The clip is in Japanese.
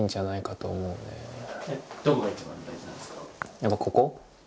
やっぱここ。